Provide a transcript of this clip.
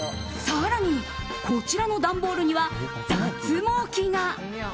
更に、こちらの段ボールには脱毛器が。